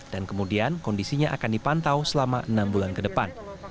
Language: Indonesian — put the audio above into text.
dan kemudian kondisinya akan dipantau selama enam bulan ke depan